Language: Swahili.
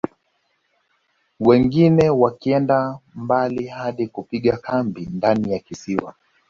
Wengine wakienda mbali hadi kupiga kambi ndani ya kisiwa